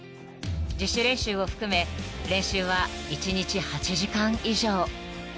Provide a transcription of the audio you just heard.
［自主練習を含め練習は１日８時間以上］